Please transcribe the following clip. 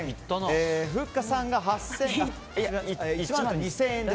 ふっかさんが１万２０００円。